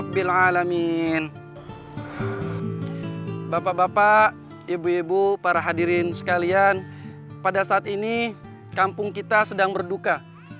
bilalamin bapak bapak ibu ibu para hadirin sekalian pada saat ini kampung kita sedang berduka